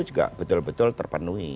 juga betul betul terpenuhi